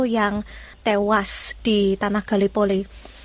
yang tewas di tanah galipoli